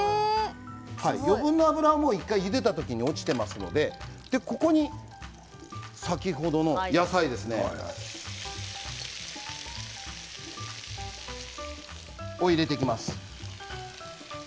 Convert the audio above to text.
余分な脂は１回ゆでた時に落ちていますので先ほどの野菜ですね入れていきます。